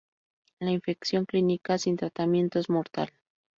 La infección clínica sin tratamiento es mortal.